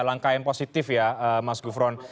langkah yang positif ya mas gufron